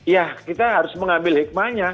ya kita harus mengambil hikmahnya